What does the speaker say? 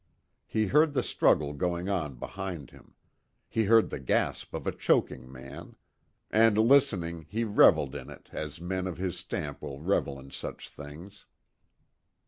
He heard the struggle going on behind him. He heard the gasp of a choking man. And, listening, he reveled in it as men of his stamp will revel in such things.